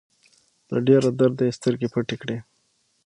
له ډېره درده يې سترګې پټې کړې.